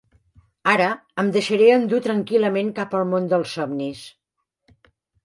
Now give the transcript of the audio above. Ara, em deixaré endur tranquil·lament cap al món dels somnis.